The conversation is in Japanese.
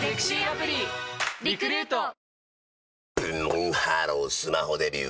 ブンブンハロースマホデビュー！